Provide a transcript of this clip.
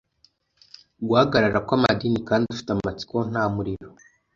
guhagarara kw'amadini kandi ufite amatsiko nta muriro